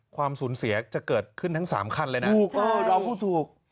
ความสูญเสียจะเกิดขึ้นทั้ง๓คันเลยนะถูกเออดอมพูดถูก